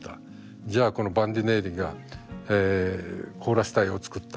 じゃあこのバンディネッリがコーラス隊を作った。